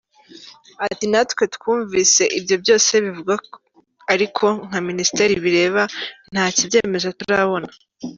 Ati “Natwe twumvise ibyo byose bivugwa ariko nka minisiteri bireba nta kibyemeza turabona.